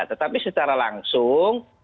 tetapi secara langsung